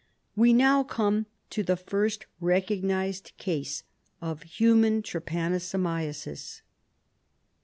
We now come to the first recognised case of human trypanosomiasis.